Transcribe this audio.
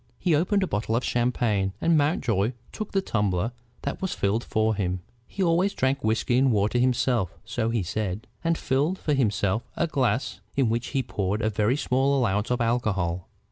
He opened a bottle of champagne, and Mountjoy took the tumbler that was filled for him. He always drank whiskey and water himself, so he said, and filled for himself a glass in which he poured a very small allowance of alcohol.